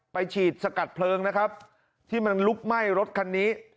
ฉีดสกัดเพลิงนะครับที่มันลุกไหม้รถคันนี้